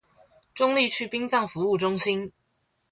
中壢區殯葬服務中心